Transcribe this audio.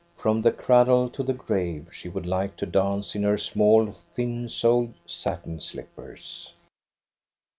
From the cradle to the grave she would like to dance in her small, thin soled, satin slippers.